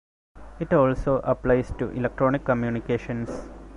It also applies to electronic communications.